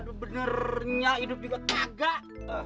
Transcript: aduh benernya hidup juga kagah